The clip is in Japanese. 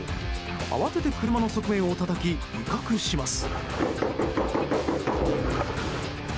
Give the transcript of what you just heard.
慌てて車の側面をたたき威嚇します。